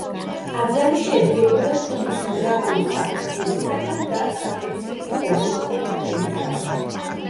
ტაძარი შედგებოდა კიბის მრავალი საფეხურისაგან და ტრაპეციის ფორმის ოთახებისაგან.